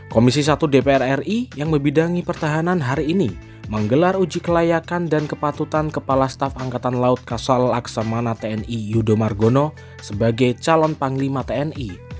komisi satu dpr ri yang membidangi pertahanan hari ini menggelar uji kelayakan dan kepatutan kepala staf angkatan laut kasal laksamana tni yudo margono sebagai calon panglima tni